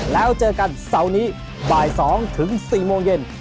แล้วเจอกันเสาร์นี้บ่าย๒ถึง๔โมงเย็น